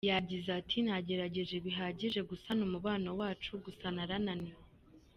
Yagize ati "Nagerageje bihagije gusana umubano wacu gusa narananiwe.